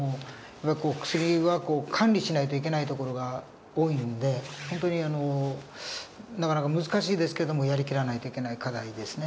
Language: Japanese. やっぱり薬は管理しないといけないところが多いので本当になかなか難しいですけどもやり切らないといけない課題ですね。